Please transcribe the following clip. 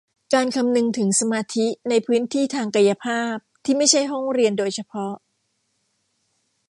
การคำนึงถึงสมาธิในพื้นที่ทางกายภาพที่ไม่ใช่ห้องเรียนโดยเฉพาะ